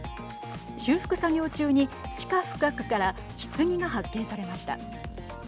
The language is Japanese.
修復作業中に地下深くからひつぎが発見されました。